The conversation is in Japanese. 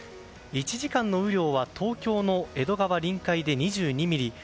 １時間の雨量は東京の江戸川臨海で２２ミリ。